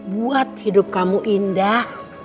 buat hidup kamu indah